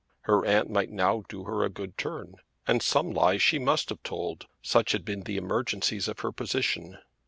Her aunt might now do her a good turn; and some lies she must have told; such had been the emergencies of her position!